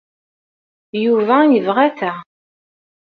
Yuba yebɣa ta.